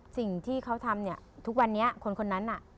สิ่งที่เขาทำเนี่ยทุกวันนี้คนนั้นน่ะ